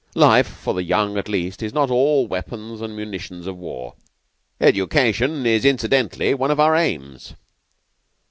Life, for the young at least, is not all weapons and munitions of war. Education is incidentally one of our aims."